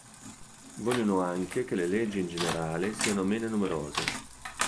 Vogliono anche che le leggi in generale siano meno numerose.